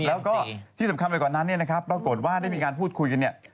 แล้วก็ที่สำคัญไปกว่านั้นเนี่ยนะครับปรากฏว่าได้มีการพูดคุยกันเนี่ย